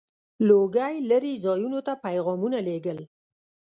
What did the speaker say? • لوګی لرې ځایونو ته پيغامونه لیږل.